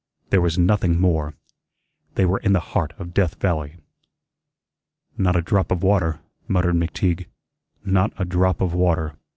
There was nothing more. They were in the heart of Death Valley. "Not a drop of water," muttered McTeague; "not a drop of water."